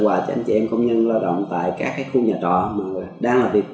và dự kiến năm nay ch submar để trở về quận tám